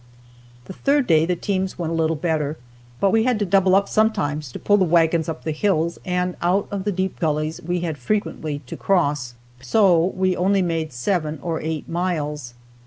The third day the teams went a little better, but we had to double up sometimes to pull the wagons up the hills and out of the deep gullies we had frequently to cross, so we only made seven or eight miles.